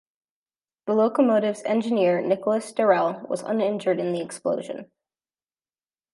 The locomotive's engineer Nicholas Darrell was uninjured in the explosion.